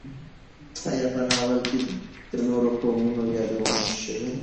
ایا په ناول کې د نورو قومونو یادونه شوې ده؟